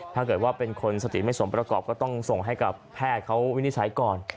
ถ้าเกิดว่าเป็นคนสติไม่สมประกอบก็ต้องส่งให้กับแพทย์เขาวินิจฉัยก่อน